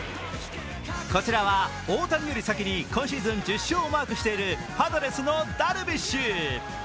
こちらは大谷より先に今シーズン１０勝をマークしているパドレスのダルビッシュ。